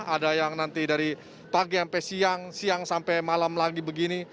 ada yang nanti dari pagi sampai siang siang sampai malam lagi begini